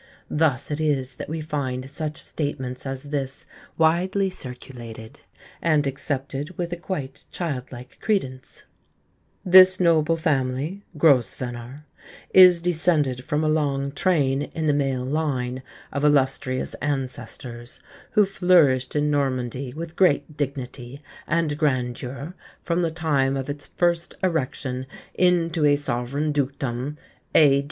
Thus it is that we find such statements as this widely circulated, and accepted with a quite childlike credence: "This noble family (Grosvenor) is descended from a long train in the male line of illustrious ancestors, who flourished in Normandy with great dignity and grandeur from the time of its first erection into a sovereign Dukedom, A.